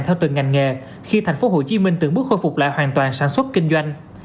theo từng ngành nghề khi tp hcm từng bước khôi phục lại hoàn toàn sản xuất kinh doanh